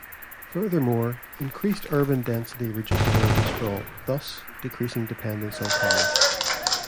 Furthermore, increased urban density reduces urban sprawl, thus, decreasing dependence on cars.